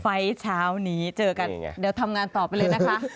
ไฟล์เช้านี้เจอกันเดี๋ยวทำงานต่อไปเลยนะคะ